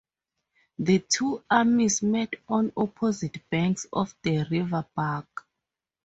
The two armies met on opposite banks of the River Bug.